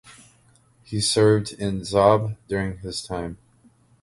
He served in Zhob during this time.